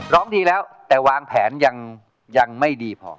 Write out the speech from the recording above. ร้องดีแล้วแต่วางแผนยังไม่ดีพอ